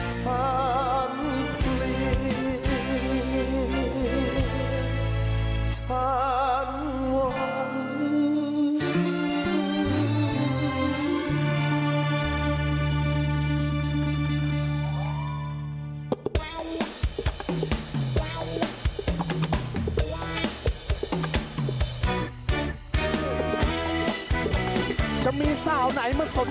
ท่านเหมือน